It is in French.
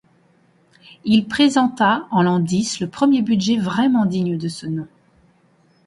Il présenta en l'an X le premier budget vraiment digne de ce nom.